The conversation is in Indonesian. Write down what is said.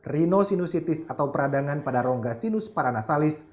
rhinosinusitis atau peradangan pada rongga sinus paranasalis